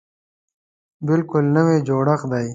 بلکل نوی جوړښت دی.